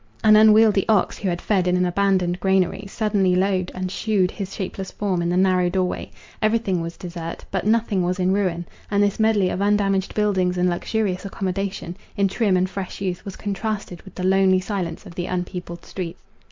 An unwieldy ox, who had fed in an abandoned granary, suddenly lowed, and shewed his shapeless form in a narrow door way; every thing was desert; but nothing was in ruin. And this medley of undamaged buildings, and luxurious accommodation, in trim and fresh youth, was contrasted with the lonely silence of the unpeopled streets.